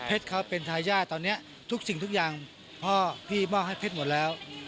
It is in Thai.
เขาเป็นทายาทตอนนี้ทุกสิ่งทุกอย่างพ่อพี่มอบให้เพชรหมดแล้ว